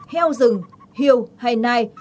heo rừng hiều hay nai